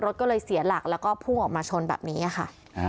รถก็เลยเสียหลักแล้วก็พุ่งออกมาชนแบบนี้ค่ะ